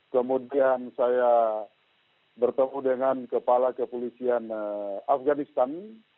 kemudian saya bertemu dengan kepala kepolisian afganistan